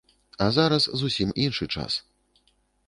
А зараз зусім іншы час.